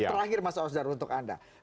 terakhir mas osdar untuk anda